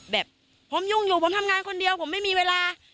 แบบผมยุ่งอยู่ผมทำงานคนเดียวผมไม่มีเวลา